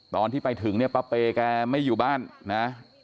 ตอนที่ไปถึงเนี่ยป้าเปย์แกไม่อยู่บ้านนะ